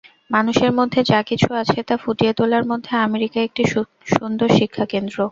মানুষের মধ্যে যা কিছু আছে, তা ফুটিয়ে তোলার পক্ষে আমেরিকা একটি সুন্দর শিক্ষাকেন্দ্র।